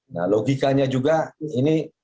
nah logikanya juga ini